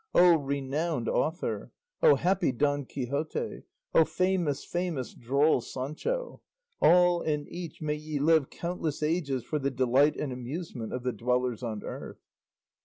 O renowned author! O happy Don Quixote! O famous famous droll Sancho! All and each, may ye live countless ages for the delight and amusement of the dwellers on earth!